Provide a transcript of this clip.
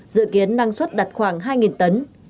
dự kiến năng suất đặt khoảng hai tấn